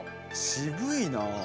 渋いな。